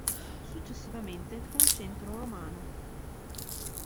Successivamente fu un centro romano.